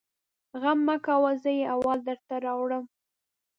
_غم مه کوه! زه يې احوال درته راوړم.